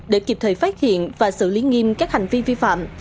để kịp thời phát hiện và xử lý nghiêm các hành vi vi phạm